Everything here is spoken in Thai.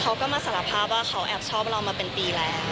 เขาก็มาสารภาพว่าเขาแอบชอบเรามาเป็นปีแล้ว